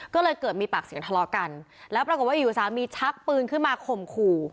ก็เลยเกิดมีปากเสียงทะเลาะกันแล้วปรากฏว่าอยู่สามีชักปืนขึ้นมาข่มขู่